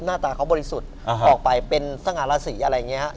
หน้าตาเขาบริษุทธิ์ออกไปเป็นสง่ารสีอะไรนะฮะ